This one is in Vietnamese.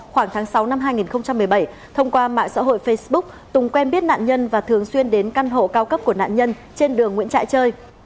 khoảng tháng sáu năm hai nghìn một mươi bảy thông qua mạng xã hội facebook tùng quen biết nạn nhân và thường xuyên đến căn hộ cao cấp của nạn nhân trên đường nguyễn trại chơi